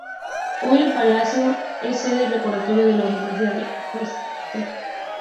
Hoy el Palacio es sede del Rectorado de la Universidad de Osijek.